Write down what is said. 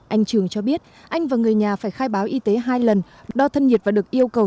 anh trường cho biết anh và người nhà phải khai báo y tế hai lần đo thân nhiệt và được yêu cầu